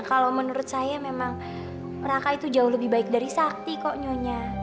kalau menurut saya memang mereka itu jauh lebih baik dari sakti kok nyonya